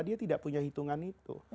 dia tidak punya hitungan itu